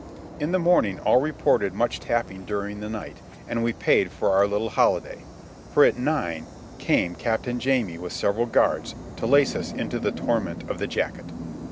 In the morning all reported much tapping during the night, and we paid for our little holiday; for, at nine, came Captain Jamie with several guards to lace us into the torment of the jacket.